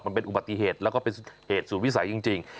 มันเป็นอุบัติเหตุแล้วก็เป็นเหตุสูตรวิสัยจริง